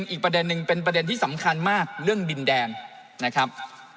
อีกประเด็นหนึ่งเป็นประเด็นที่สำคัญมากเรื่องดินแดงนะครับ